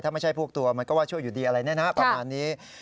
ถ้าไม่ใช่พวกตัวมันก็ว่าช่วยอยู่ดีอะไรเนี่ยนะประมาณนี้